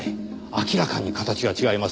明らかに形が違いますね。